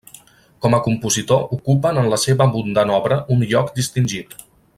Com a compositor ocupen en la seva abundant obra un lloc distingit.